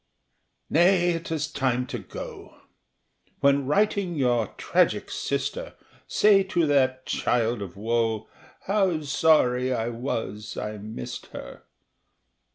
Nay, it is time to go when writing your tragic sister Say to that child of woe how sorry I was I missed her.